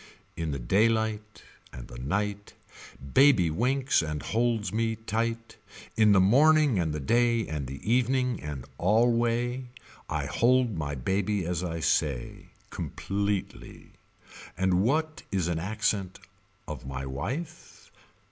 In the daylight And the night Baby winks and holds me tight. In the morning and the day and the evening and alway. I hold my baby as I say. Completely. And what is an accent of my wife.